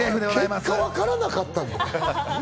結果、わからなかった。